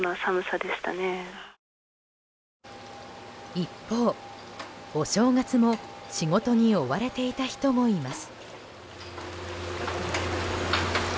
一方、お正月も仕事に追われていた人もいます。